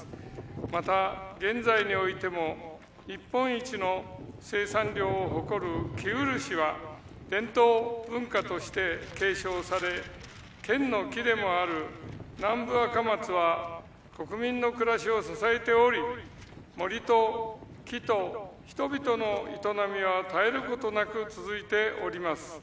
また現在においても日本一の生産量を誇る生漆は伝統文化として継承され県の木でもある南部アカマツは国民の暮らしを支えており森と木と人々の営みは絶えることなく続いております。